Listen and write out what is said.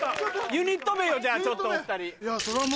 ユニット名をじゃちょっとお２人。